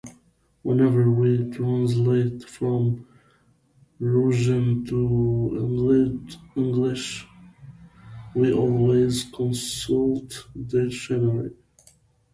Whenever we translate from Russian to English, we always consult a dictionary.